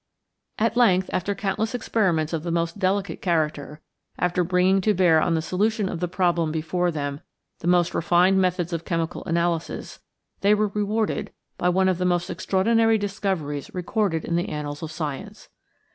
At length, after countless experiments of the most delicate character, after bringing to bear on the solution of the problem before them the most refined methods of chemical analysis, they were rewarded by one of the most extraordinary discoveries recorded in the annals of science.